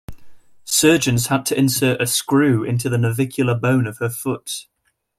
Surgeons had to insert a screw into the navicular bone of her foot.